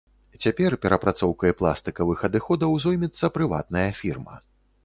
Цяпер перапрацоўкай пластыкавых адыходаў зоймецца прыватная фірма.